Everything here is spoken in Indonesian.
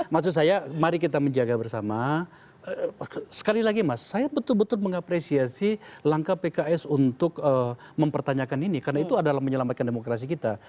maksud saya mari kita menjaga bersama sekali lagi mas saya betul betul mengapresiasi langkah pks untuk mempertanyakan ini karena itu adalah menyelamatkan demokrasi kita